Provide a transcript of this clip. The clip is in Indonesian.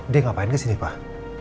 dia ngapain kesini pak